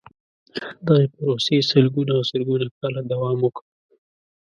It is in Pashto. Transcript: دغې پروسې سلګونه او زرګونه کاله دوام وکړ.